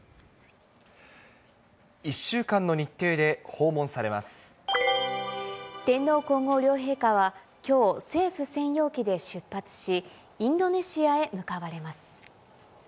１週間の日程で、訪問されま天皇皇后両陛下はきょう、政府専用機で出発し、インドネシアへ向かわれます。